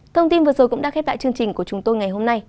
thông tin vừa rồi cũng đã khép lại chương trình của chúng tôi ngày hôm nay